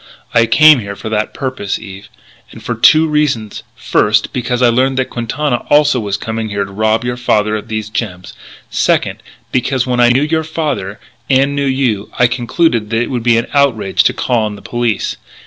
"I came here for that purpose, Eve. And for two reasons: first, because I learned that Quintana also was coming here to rob your father of these gems; second, because, when I knew your father, and knew you, I concluded that it would be an outrage to call on the police.